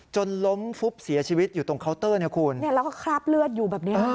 จนล้มฟุบเสียชีวิตอยู่ตรงเคาน์เตอร์แล้วก็คลาบเลือดอยู่แบบนี้